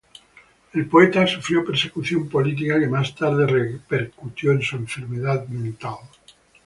El poeta sufrió persecución política que más tarde repercutió en su enfermedad mental.